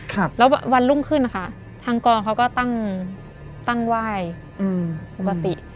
ครับแล้ววันรุ่งขึ้นนะคะทางกองเขาก็ตั้งตั้งไหว้อืมปกติ